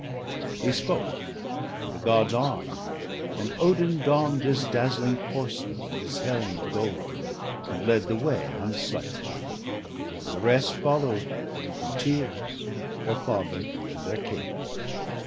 He spoke, and the Gods arm'd ; and Odin donn'd His dazzling corslet and his helm of gold, And led the way on Sleipner; and the rest Follow'd, in tears, their father and their king.